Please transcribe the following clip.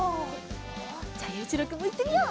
じゃあゆういちろうくんもいってみよう！